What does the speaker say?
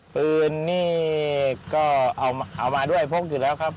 ปืนนี่ก็เอามาด้วยพกอยู่แล้วครับ